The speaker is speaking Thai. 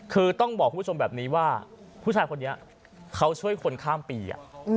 คือต้องบอกคุณผู้ชมแบบนี้ว่าผู้ชายคนนี้เขาช่วยคนข้ามปี